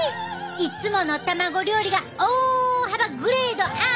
いつもの卵料理が大幅グレードアップ！